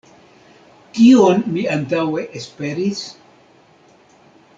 Kion mi antaŭe esperis?